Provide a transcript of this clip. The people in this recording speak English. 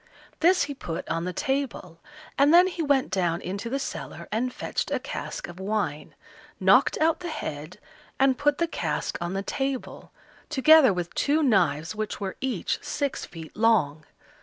This he put on the table, and then he went down into the cellar and fetched a cask of wine, knocked out the head, and put the cask on the table, together with two knives, which were each six feet long.